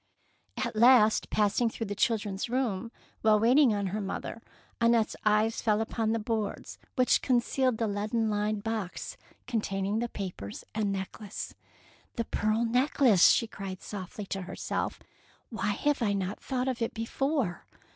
At last, passing through the chil dren's room while waiting on her mother, Annette's eyes fell upon the 14 209 DEEDS OF DAEING boards which concealed the leaden lined box containing the papers and necklace. " The pearl necklace/' she cried softly to herself, " why have I not thought of it before?